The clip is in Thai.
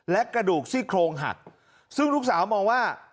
และกระดูกซี่โครงหักซึ่งลูกสาวมองว่า